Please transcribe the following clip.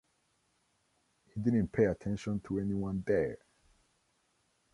He didn’t pay attention to anyone there.